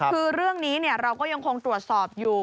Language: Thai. คือเรื่องนี้เราก็ยังคงตรวจสอบอยู่